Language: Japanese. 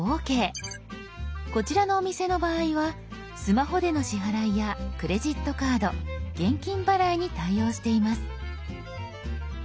こちらのお店の場合はスマホでの支払いやクレジットカード現金払いに対応しています。